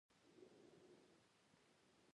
په افغانستان کې زراعت په پراخه کچه شتون لري.